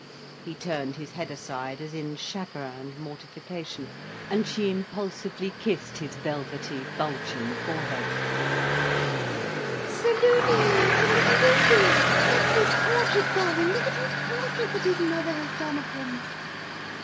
He turned his head aside as in chagrin and mortification, and she impulsively kissed his velvety bulging forehead. "'s a Loolie, 's a little Loozie! Look at his portrait, darling, look at his portrait, that his mother has done of him."